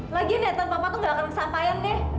lagian netan bapak tuh gak akan kesampaian deh